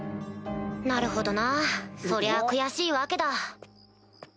なるほどなそりゃ悔しいわけだ。